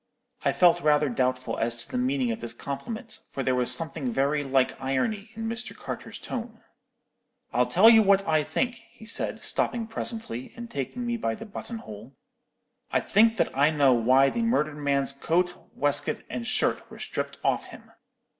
"I felt rather doubtful as to the meaning of this compliment, for there was something very like irony in Mr. Carter's tone. "'I'll tell you what I think,' he said, stopping presently, and taking me by the button hole. 'I think that I know why the murdered man's coat, waistcoat, and shirt were stripped off him.'